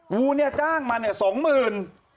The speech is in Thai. กูจ้างมันอยู่เนื้อสองหมื่น